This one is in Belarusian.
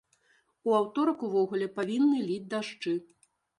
У аўторак увогуле павінны ліць дажджы!